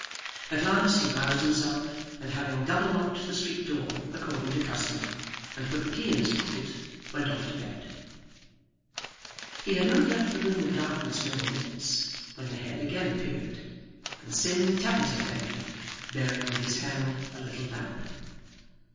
At last he roused himself; and having double locked the street door according to custom, and put the key in his pocket, went off to bed. He had not left the room in darkness many minutes, when the head again appeared, and Sim Tappertit entered, bearing in his hand a little lamp.